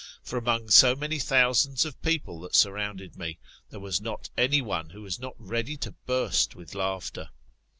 For among so I 36 THX ICSTAMORPHO6IS1 OR many thousands of people that surrounded me, there was not any one who was not ready to burst with laughter.